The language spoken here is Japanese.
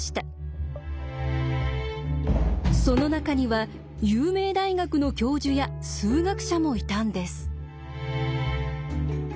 その中には有名大学の教授や数学者もいたんです。